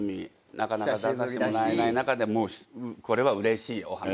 なかなか出させてもらえない中でこれはうれしいお話だと。